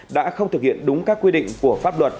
đã không thực hiện đúng các quy định của pháp luật